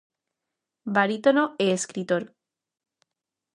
Barítono e escritor.